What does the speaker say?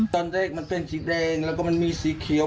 ตอนแรกมันเป็นสีแดงแล้วก็มันมีสีเขียว